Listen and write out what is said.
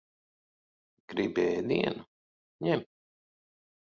Gribi ēdienu? Ņem.